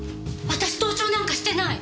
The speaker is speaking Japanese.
私盗聴なんかしてない！！